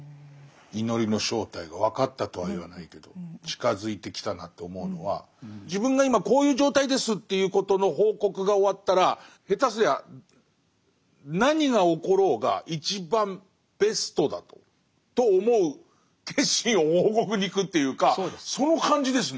祈りの正体が分かったとは言わないけど近づいてきたなと思うのは自分が今こういう状態ですということの報告が終わったら下手すりゃ何が起ころうが一番ベストだと思う決心を報告に行くというかその感じですね。